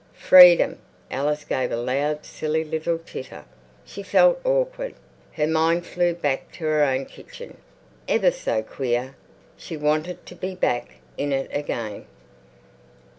Freedom! Alice gave a loud, silly little titter. She felt awkward. Her mind flew back to her own kitching. Ever so queer! She wanted to be back in it again.